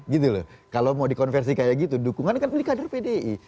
gitu loh kalau mau dikonversi kayak gitu dukungan kan pilih kader pdi